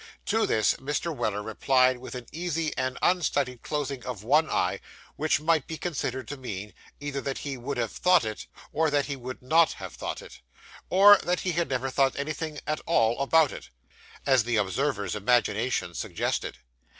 To this Mr. Weller replied with an easy and unstudied closing of one eye; which might be considered to mean, either that he would have thought it, or that he would not have thought it, or that he had never thought anything at all about it, as the observer's imagination suggested.